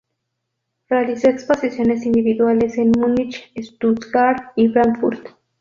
Realizó exposiciones individuales en Munich, Stuttgart y Frankfurt.